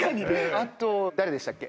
あと誰でしたっけ？